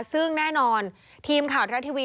ซึ่งแน่นอนทีมข่าวทรศาสตร์ทีวี